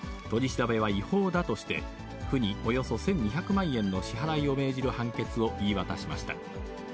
取り調べは違法だとして、府におよそ１２００万円の支払いを命じる判決を言い渡しました。